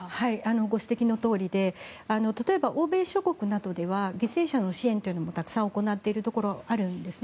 ご指摘のとおりで例えば、欧米諸国などでは犠牲者の支援というのもたくさん行っているところはあるんですね。